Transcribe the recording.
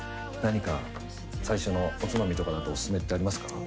何か最初のおつまみお薦めってありますか？